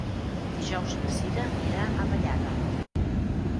Dijous na Sira irà a Vallada.